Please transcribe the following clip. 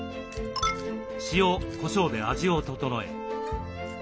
塩こしょうで味を調え。